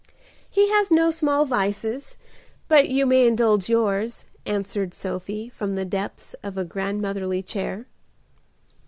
"He has no small vices, but you may indulge yours," answered Sophie, from the depths of a grandmotherly chair.